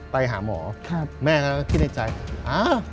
ไปหาหมอครับแม่ก็คิดในใจอ้าว